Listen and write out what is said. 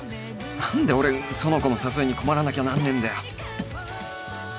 何で俺苑子の誘いに困らなきゃなんねえんだよ